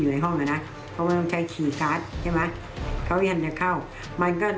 เหลือห้องนอนแลกทูใบนี้ก็เป็นที่แต่บุกรุง